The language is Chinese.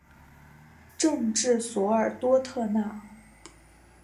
镇治索尔多特纳。